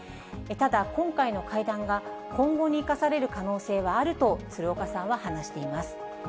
ただ、今回の会談が今後に生かされる可能性はあると、鶴岡さんは話しています。